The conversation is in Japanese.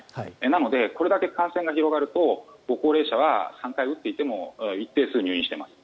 なので、これだけ感染が広がるとご高齢者は３回打っても一定数、入院しています。